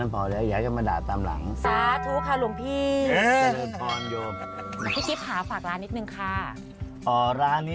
พี่ปานู้นนั่น